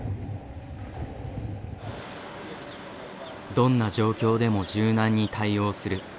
どんな状況でも柔軟に対応する。